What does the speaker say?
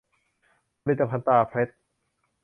ผลิตภัณฑ์ตราเพชร